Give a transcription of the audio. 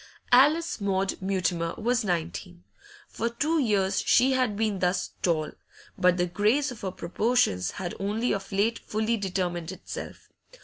Alice Maud Mutimer was nineteen. For two years she had been thus tall, but the grace of her proportions had only of late fully determined itself.